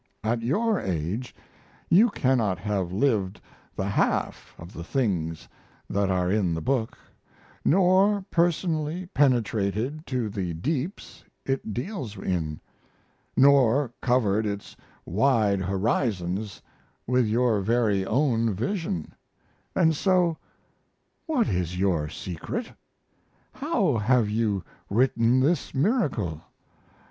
At your age you cannot have lived the half of the things that are in the book, nor personally penetrated to the deeps it deals in, nor covered its wide horizons with your very own vision and so, what is your secret? how have you written this miracle?